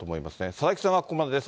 佐々木さんはここまでです。